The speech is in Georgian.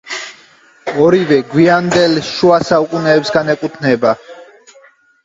ორივე გვიანდელ შუა საუკუნეებს განეკუთვნება.